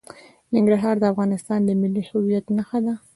ننګرهار د افغانستان د ملي هویت نښه ده.